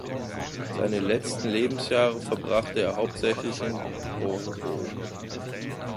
Seine letzten Lebensjahre verbrachte er hauptsächlich in Porvoo.